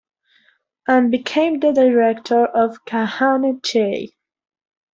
And became the director of Kahane Chai.